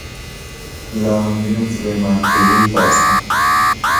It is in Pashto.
لاهم وينم سليمانخيلې په اسام کې